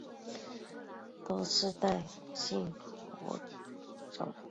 多世代性蝶种。